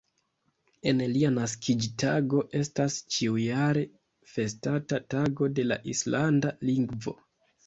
En lia naskiĝtago estas ĉiujare festata Tago de la islanda lingvo.